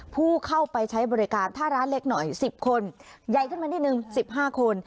ผู้เข้าไปใช้บริการถ้าร้านเล็กหน่อย๑๐คนใหญ่ขึ้นมานิดนึง๑๕คน